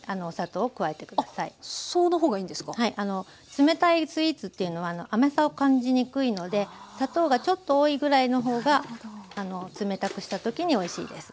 冷たいスイーツというのは甘さを感じにくいので砂糖がちょっと多いぐらいの方が冷たくした時においしいです。